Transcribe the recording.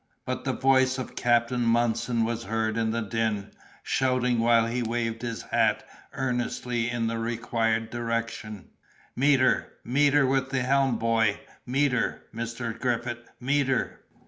But the voice of Captain Munson was heard in the din, shouting while he waved his hat earnestly in the required direction— "Meet her! meet her with the helm, boy! meet her, Mr. Griffith, meet her!"